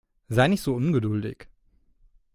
Sei nicht so ungeduldig.